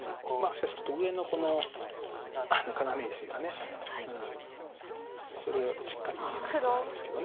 しかし上のこの要石がそれはしっかり逃げないといけないんですけど。